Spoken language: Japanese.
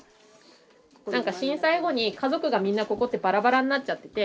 なんか震災後に家族がみんなここってバラバラになっちゃってて。